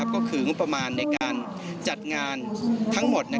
ก็คืองบประมาณในการจัดงานทั้งหมด